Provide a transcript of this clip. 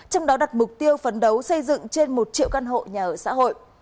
trong đó đặt mục tiêu phấn đấu xây dựng trên một triệu căn hộ nhà ở xã hội